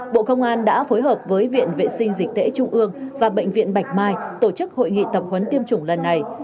bộ công an đã phối hợp với viện vệ sinh dịch tễ trung ương và bệnh viện bạch mai tổ chức hội nghị tập huấn tiêm chủng lần này